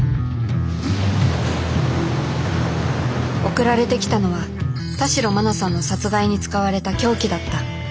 送られてきたのは田代真菜さんの殺害に使われた凶器だった。